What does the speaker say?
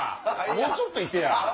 もうちょっといてや！